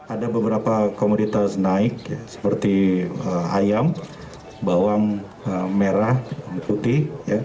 ada beberapa komoditas naik seperti ayam bawang merah putih